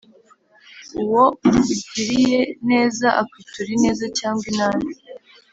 Uwo ugiriye neza akwitura ineza cyangwa inabi